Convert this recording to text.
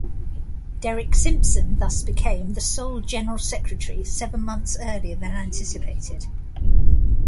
Derek Simpson thus became the sole General Secretary seven months earlier than anticipated.